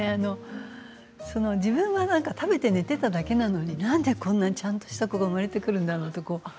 なんかね自分は食べて寝ていただけなのになんでこんなにちゃんとした子が生まれてくるんだろうと。